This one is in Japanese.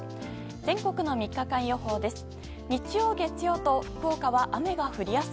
全国の３日間予報です。